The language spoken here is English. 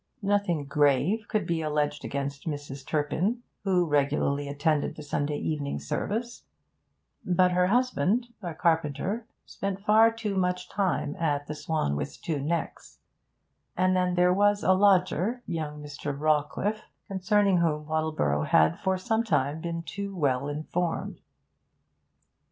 Nothing grave could be alleged against Mrs. Turpin, who regularly attended the Sunday evening service; but her husband, a carpenter, spent far too much time at 'The Swan With Two Necks'; and then there was a lodger, young Mr. Rawcliffe, concerning whom Wattleborough had for some time been too well informed.